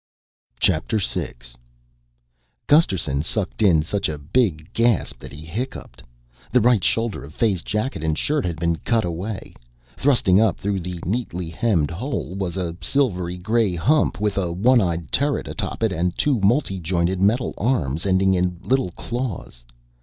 VI Gusterson sucked in such a big gasp that he hiccuped. The right shoulder of Fay's jacket and shirt had been cut away. Thrusting up through the neatly hemmed hole was a silvery gray hump with a one eyed turret atop it and two multi jointed metal arms ending in little claws.